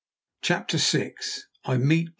CHAPTER VI I MEET DR.